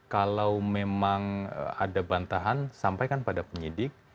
kalau memang ada bantahan sampaikan pada penyidik